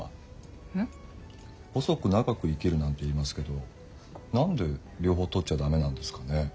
「細く長く生きる」なんて言いますけど何で両方とっちゃダメなんですかね？